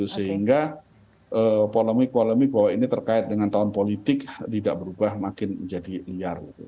sehingga polemik polemik bahwa ini terkait dengan tahun politik tidak berubah makin menjadi liar